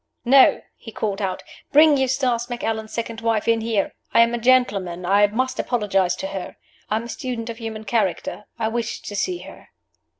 "No!" he called out. "Bring Eustace Macallan's second wife in here. I am a gentleman I must apologize to her. I am a student of human character I wish to see her."